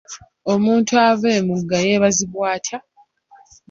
Omuntu ava emugga yeebazibwa atya?